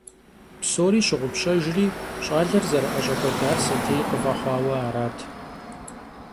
Псори щыгъупщэжри, щӏалэр зэрыӏэщӏэкӏуэдар сэтей къыфӏэхъуауэ арат.